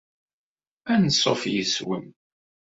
Anṣuf yes-wen.